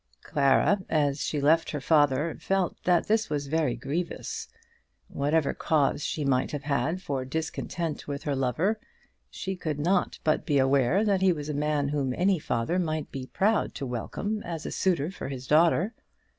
Clara, as she left her father, felt that this was very grievous. Whatever cause she might have had for discontent with her lover, she could not but be aware that he was a man whom any father might be proud to welcome as a suitor for his daughter.